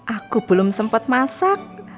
aku belum sempat masak